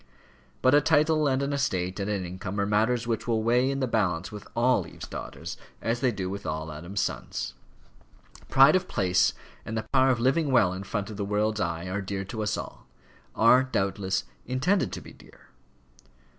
But a title, and an estate, and an income, are matters which will weigh in the balance with all Eve's daughters as they do with all Adam's sons. Pride of place, and the power of living well in front of the world's eye, are dear to us all; are, doubtless, intended to be dear.